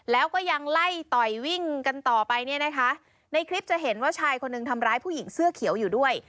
แล้วก็ยังไล่ต่อยวิ่งกันต่อไปเนี่ยนะคะในคลิปจะเห็นว่าชายคนหนึ่งทำร้ายผู้หญิงเสื้อเขียวอยู่ด้วย